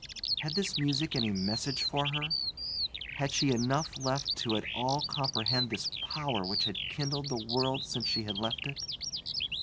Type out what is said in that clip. Had this music any message for her? Had she enough left to at all comprehend this power which had kindled the world since she had left it?